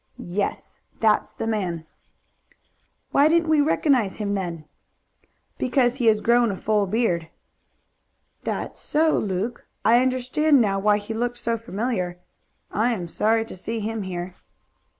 "Yes. That's the man." "Why didn't we recognize him then?" "Because he has grown a full beard." "That's so, Luke. I understand now why he looked so familiar. I am sorry to see him here."